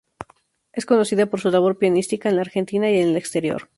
Es conocida por su labor pianística en la Argentina y en el exterior.